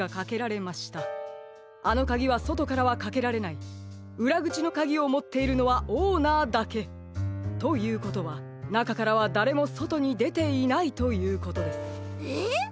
あのカギはそとからはかけられないうらぐちのカギをもっているのはオーナーだけ。ということはなかからはだれもそとにでていないということです。え？